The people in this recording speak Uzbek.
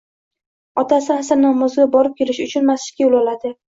Otasi asr namoziga borib kelish uchun masjidga yo’l oladi.